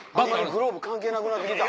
グローブ関係なくなってきた。